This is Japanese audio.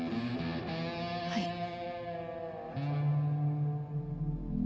はい。